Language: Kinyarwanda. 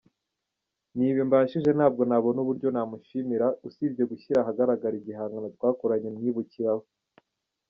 Ni ibi mbashije, ntabwo nabona uburyo namushimira usibye gushyira ahagaragara igihangano twakoranye mwibukiraho.